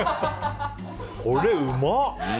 これ、うまっ！